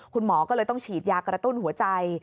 คุณหมอก็เลยต้องฉีดยากระตุ้นหัวใจ